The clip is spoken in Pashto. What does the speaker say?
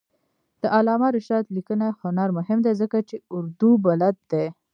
د علامه رشاد لیکنی هنر مهم دی ځکه چې اردو بلد دی.